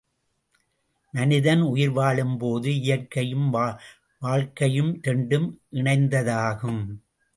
மனிதன் உயிர் வாழும்போது, இயற்கையும் வாழ்க்கையையும் இரண்டும் இணைந்ததாகும்.